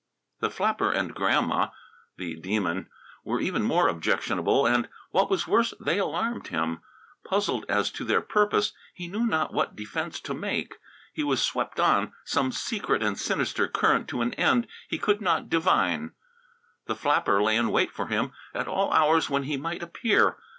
The flapper and Grandma, the Demon, were even more objectionable, and, what was worse, they alarmed him. Puzzled as to their purpose, he knew not what defence to make. He was swept on some secret and sinister current to an end he could not divine. The flapper lay in wait for him at all hours when he might appear.